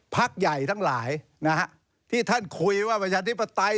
พักใหญ่ทั้งหลายนะฮะที่ท่านคุยว่าประชาธิปไตย